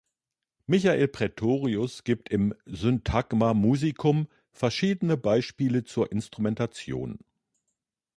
Michael Praetorius gibt im "Syntagma musicum" verschiedene Beispiele zur Instrumentation.